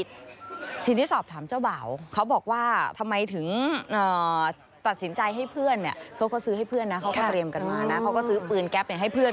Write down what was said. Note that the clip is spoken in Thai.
ทีนี้สอบถามเจ้าบ่าวเขาบอกว่าทำไมถึงตัดสินใจให้เพื่อนเนี่ยเขาก็ซื้อให้เพื่อนนะเขาก็เตรียมกันมานะเขาก็ซื้อปืนแก๊ปให้เพื่อน